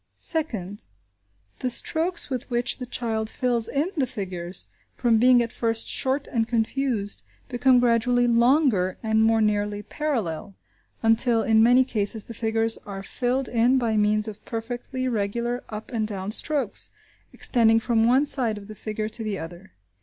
Second. The strokes with which the child fills in the figures, from being at first short and confused, become gradually longer, and more nearly parallel, until in many cases the figures are filled in by means of perfectly regular up and down strokes, extending from one side of the figure to the other.